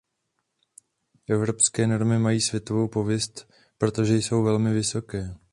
Evropské normy mají světovou pověst, protože jsou velmi vysoké.